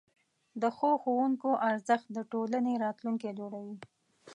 د ښو ښوونکو ارزښت د ټولنې راتلونکی جوړوي.